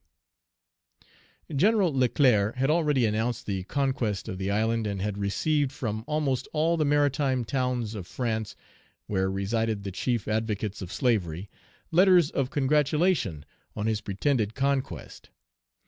Page 336 "General Leclerc had already announced the conquest of the island, and had received from almost all the maritime towns of France (where resided the chief advocates of slavery) letters of congratulation on his pretended conquest.